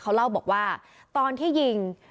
เขาเล่าบอกว่าตอนที่ยิง